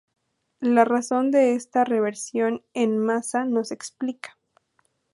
La razón de esta reversión en masa no se explica.